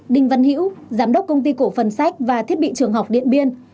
đinh văn hữu giám đốc công ty cổ phần sách và thiết bị trường học điện biên